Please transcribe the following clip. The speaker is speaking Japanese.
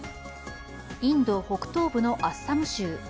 インド北東部のアッサム州。